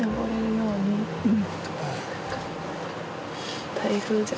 うん。